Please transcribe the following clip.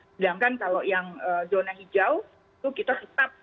sedangkan kalau yang zona hijau itu kita tetap